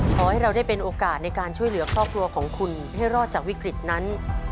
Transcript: ขอให้เราได้เป็นโอกาสในการช่วยเหลือครอบครัวของคุณให้รอดจากวิกฤตนั้น